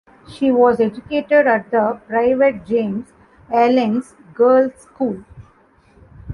She was educated at the private James Allen's Girls' School.